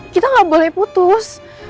kita gak boleh putus